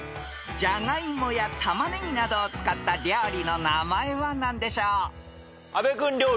［じゃがいもや玉ねぎなどを使った料理の名前は何でしょう］